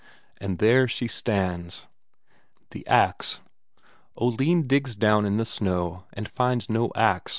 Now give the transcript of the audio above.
And there she stands. The ax? Oline digs down and down in the snow, and finds no ax.